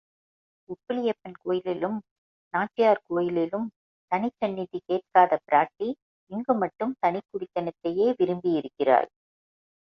ஒப்பிலியப்பன் கோயிலிலும், நாச்சியார் கோயிலிலும் தனிச் சந்நிதி கேட்காத் பிராட்டி, இங்கு மட்டும் தனிக் குடித்தனத்தையே விரும்பியிருக்கிறாள்.